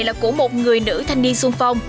là của một người nữ thanh niên xuân phong